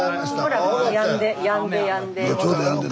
ほらやんでやんでやんで。